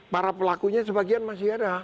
para pelakunya sebagian masih ada